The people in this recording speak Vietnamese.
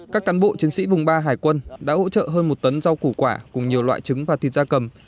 các cán bộ chiến sĩ vùng ba hải quân đã hỗ trợ hơn một tấn rau củ quả cùng nhiều loại trứng và thịt da cầm